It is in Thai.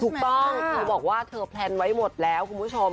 ถูกต้องเธอบอกว่าเธอแพลนไว้หมดแล้วคุณผู้ชม